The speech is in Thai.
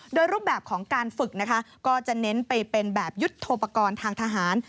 โดยรูปแบบของการฝึกนะคะก็จะเน้นไปเป็นแบบยุทธโทปกรณ์ทางทหาร